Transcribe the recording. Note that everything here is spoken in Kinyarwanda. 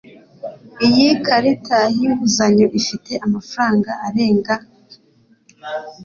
Iyi karita yinguzanyo ifite amafaranga arenga $